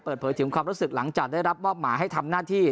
เปิดเผยถึงความรู้สึกหลังจากได้รับมอบหมายให้ทำหน้าที่